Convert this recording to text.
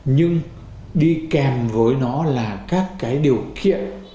nhưng đi kèm với nó là các cái điều kiện